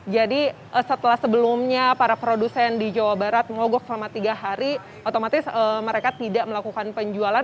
jadi setelah sebelumnya para produsen di jawa barat mengogok selama tiga hari otomatis mereka tidak melakukan penjualan